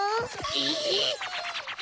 えっ？